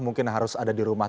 mungkin harus ada di rumah